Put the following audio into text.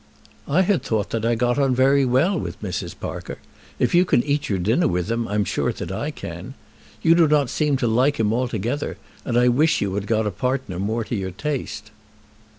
"I had thought that I got on very well with Mrs. Parker. If you can eat your dinner with them, I'm sure that I can. You do not seem to like him altogether, and I wish you had got a partner more to your taste."